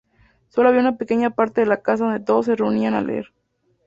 Solo había una pequeña parte de la casa donde todos se reunían a leer.